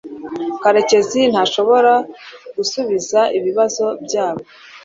karekezi ntashobora gusubiza ibibazo byabo